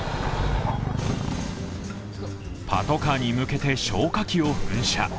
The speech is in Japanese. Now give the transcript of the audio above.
パトカーに向けて消火器を噴射。